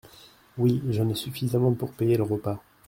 Oui, j’en ai suffisamment pour payer le repas.